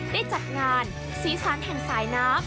ได้จัดงานสีสันแห่งสายน้ำ